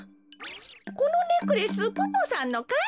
このネックレスポポさんのかい？